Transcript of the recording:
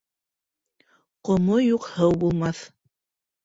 Ҡомо юҡ һыу булмаҫ